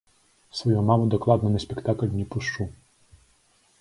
Сваю маму дакладна на спектакль не пушчу!